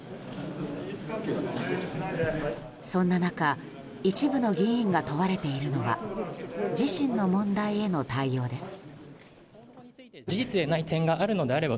そんな中一部の議員が問われているのは自身の問題への対応です。